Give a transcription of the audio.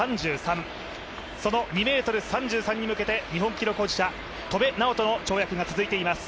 その２ｍ３３に向けて、日本記録保持者・戸邉直人の跳躍が続いています。